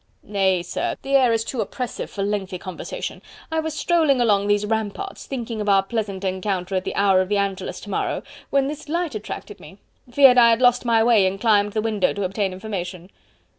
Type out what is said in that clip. "Nay, sir, the air is too oppressive for lengthy conversation... I was strolling along these ramparts, thinking of our pleasant encounter at the hour of the Angelus to morrow... when this light attracted me.... feared I had lost my way and climbed the window to obtain information."